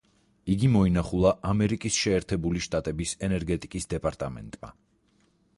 იგი მოინახულა ამერიკის შეერთებული შტატების ენერგეტიკის დეპარტამენტმა.